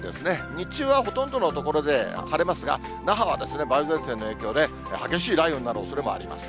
日中はほとんどの所で晴れますが、那覇は梅雨前線の影響で、激しい雷雨になるおそれもあります。